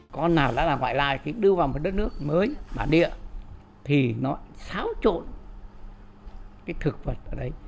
con nào đã làm ngoại lai thì đưa vào một đất nước mới bản địa thì nó xáo trộn cái thực vật ở đấy